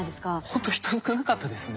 ほんと人少なかったですね。